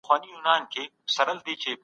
که ته وخت لرې.